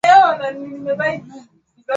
na rais wa marekani barack obama